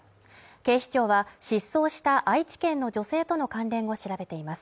警視庁は失踪した愛知県の女性との関連を調べています。